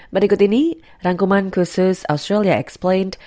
berikut ini rangkuman khusus australia exploin